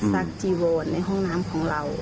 จีโวนในห้องน้ำของเรา